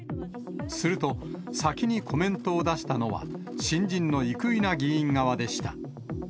すると、先にコメントを出したのは新人の生稲議員側でした。